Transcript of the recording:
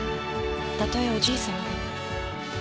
たとえおじいさまでも。